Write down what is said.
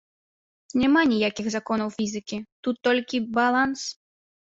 Няма ніякіх законаў фізікі, тут толькі баланс.